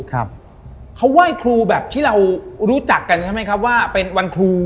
ครับเขาไหว้ครูแบบที่เรารู้จักกันใช่ไหมครับว่าเป็นวันครู